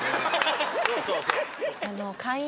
そうそうそう。